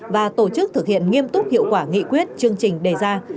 và tổ chức thực hiện nghiêm túc hiệu quả nghị quyết chương trình đề ra